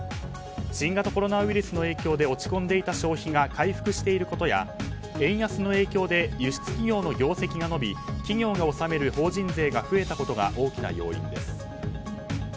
新型コロナウイルスの影響で落ち込んでいた消費が回復していることや円安の影響で輸出企業の業績が伸び企業が納める法人税が増えたことが大きな要因です。